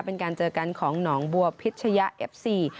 เป็นการเจอกันของหนองบัวพิชยะเอฟซี